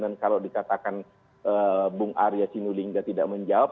dan kalau dikatakan bung arya sinulingga tidak menjawab